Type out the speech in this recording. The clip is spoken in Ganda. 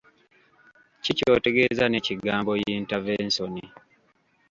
Ki ky'otegeeza n'ekigambo yintavensoni?